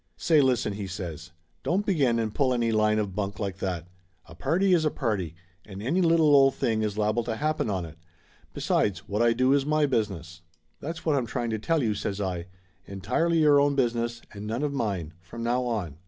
"Say listen!" he says. "Don't begin and pull any line of bunk like that. A party is a party and any little old thing is liable to happen on it. Besides, what I do is my business." 252 Laughter Limited "That's what I'm trying to tell you," says I. "En tirely your own business and none of mine, from now on."